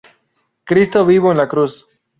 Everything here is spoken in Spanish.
Cristo vivo en la Cruz.